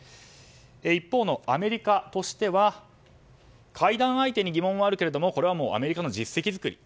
一方のアメリカとしては会談相手に疑問はあるけれどもこれはアメリカの実績作り。